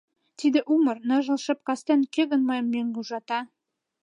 Тиде умыр, ныжыл шып кастене Кӧ гын мыйым мӧҥгӧ ужата?